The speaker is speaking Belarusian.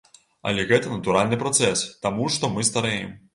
Але гэта натуральны працэс, таму што мы старэем.